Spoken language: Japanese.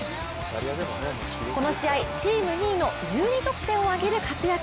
この試合、チーム２位の１２得点を挙げる活躍。